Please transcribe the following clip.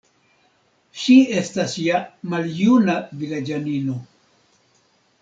Ŝi estas ja maljuna vilaĝanino.